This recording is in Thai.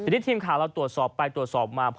ทีนี้ทีมข่าวเราตรวจสอบไปตรวจสอบมา